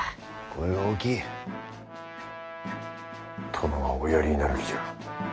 殿はおやりになる気じゃ。